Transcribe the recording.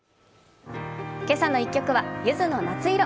今朝の１曲はゆずの「夏色」。